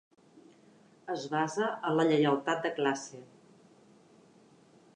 Es basa en la lleialtat de classe